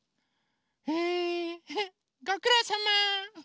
へえごくろうさま！